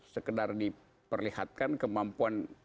sekedar diperlihatkan kemampuan